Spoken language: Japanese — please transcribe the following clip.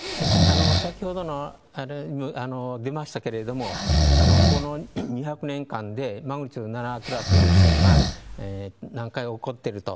先ほどの出ましたけれども、この２００年間でマグニチュード７クラスの地震が何回か起こってると。